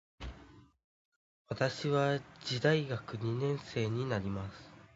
私は次大学二年生になります。